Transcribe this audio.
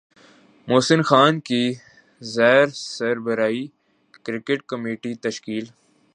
محسن خان کی زیر سربراہی کرکٹ کمیٹی تشکیل